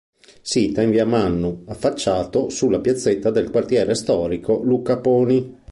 Situa in via Mannu, affacciato sulla piazzetta del quartiere storico Lu Caponi.